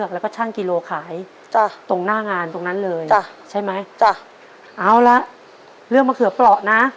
ถ้าพร้อมค่ะ